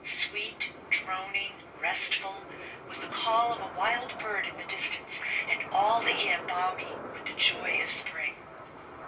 t Sweet, droning, restful, with the call of a wild bird in the distance, and all the air balmy with the joy of spring.